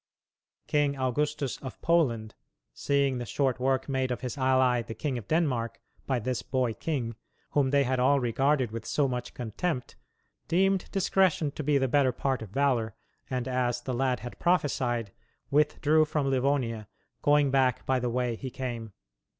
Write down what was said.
King Augustus of Poland, seeing the short work made of his ally the King of Denmark, by this boy king, whom they had all regarded with so much contempt, deemed discretion to be the better part of valor and, as the lad had prophesied, withdrew from Livonia, "going back by the way he came."